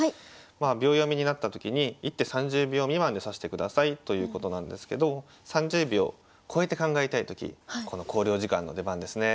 秒読みになったときに１手３０秒未満で指してくださいということなんですけど３０秒超えて考えたいときこの考慮時間の出番ですね。